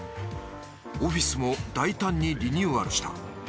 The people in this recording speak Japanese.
オフィスも大胆にリニューアルした。